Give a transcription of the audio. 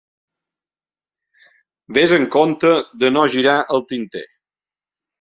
Ves amb compte de no girar el tinter.